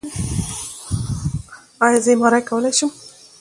ایا زه ایم آر آی کولی شم؟